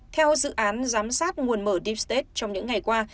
theo dự án giám sát nguồn mở deep state trong những ngày qua